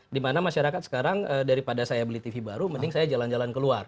dimana masyarakat sekarang daripada saya beli tv baru mending saya jalan jalan keluar